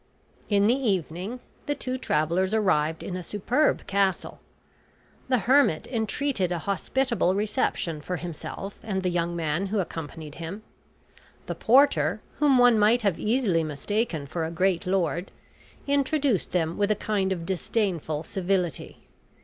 In the evening the two travelers arrived in a superb castle. The hermit entreated a hospitable reception for himself and the young man who accompanied him. The porter, whom one might have easily mistaken for a great lord, introduced them with a kind of disdainful civility.